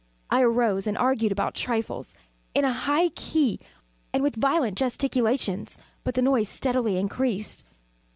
I arose and argued about trifles, in a high key and with violent gesticulations; but the noise steadily increased.